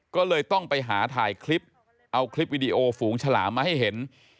ก็เลยต้องไปหาถ่ายคลิปเอาคลิปวิดีโอฝูงฉลามมาให้เห็น